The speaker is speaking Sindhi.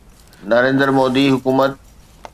نريندر مودي حڪومت